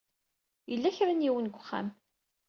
Yella kra n yiwen deg uxxam.